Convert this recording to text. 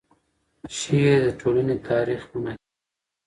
شعر د ټولنې تاریخ منعکسوي.